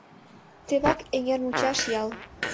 Тевак Эҥермучаш ял.